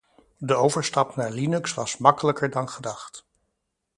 De overstap naar Linux was makkelijker dan gedacht.